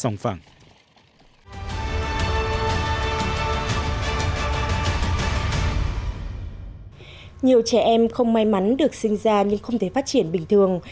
nhiều trẻ em không may mắn được sinh ra nhưng không thể phát triển bình thường